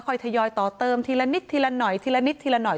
ทยอยต่อเติมทีละนิดทีละหน่อยทีละนิดทีละหน่อย